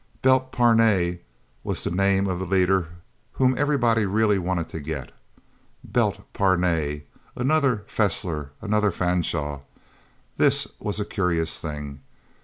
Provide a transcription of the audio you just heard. Belt Parnay was the name of the leader whom everybody really wanted to get. Belt Parnay another Fessler, another Fanshaw. That was a curious thing.